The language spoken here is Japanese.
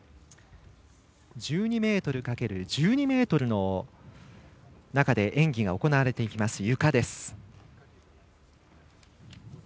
１２ｍ×１２ｍの中で演技が行われていきますゆかです。